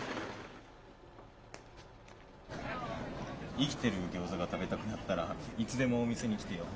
生きてるギョーザが食べたくなったらいつでもお店に来てよ。